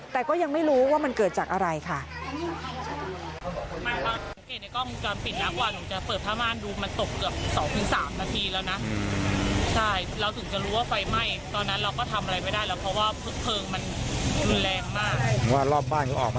แต่ก็ยังไม่รู้ว่ามันเกิดจากอะไรค่ะ